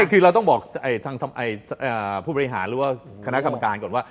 คือเราต้องบอกทางผู้บริหารหรือว่าคณะกรรมการก่อนว่า